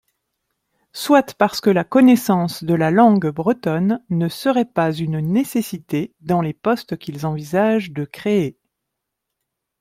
Soit parce que la connaissance de la langue bretonne ne serait pas une nécessité dans les postes qu’ils envisagent de créer.